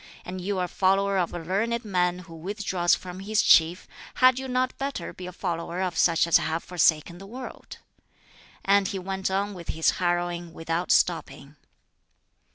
And you are a follower of a learned man who withdraws from his chief; had you not better be a follower of such as have forsaken the world?" And he went on with his harrowing, without stopping.